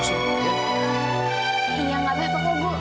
ini yang ada apa kok bu